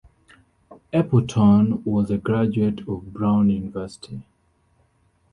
Appleton was a graduate of Brown University.